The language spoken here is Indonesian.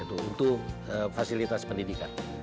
untuk fasilitas pendidikan